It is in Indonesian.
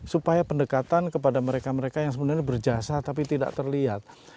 supaya pendekatan kepada mereka mereka yang sebenarnya berjasa tapi tidak terlihat